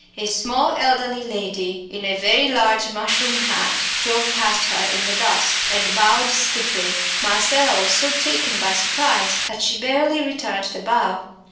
A small, elderly lady, in a very large mushroom hat, drove past her in the dusk and bowed stiffly. Marcella was so taken by surprise that she barely returned the bow.